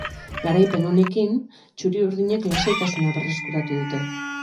Garaipen honekin, txuri-urdinek lasaitasuna berreskuratu dute.